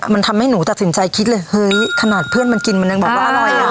มันทำให้หนูตัดสินใจคิดเลยเฮ้ยขนาดเพื่อนมันกินมันยังบอกว่าอร่อยอ่ะ